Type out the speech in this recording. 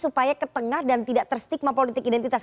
supaya ke tengah dan tidak terstigma politik identitas